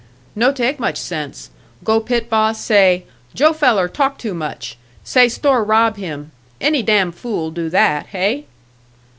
"No take much sense. Go pit boss, say, 'Joe feller talk too much. Say store rob him.' Any damn fool do that. Hey?"